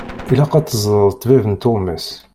Ilaq ad teẓreḍ ṭṭbib n tuɣmas.